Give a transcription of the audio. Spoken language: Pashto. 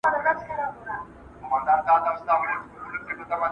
که تاسي کوډ غلط ولیکئ نو پروګرام نه چلیږي.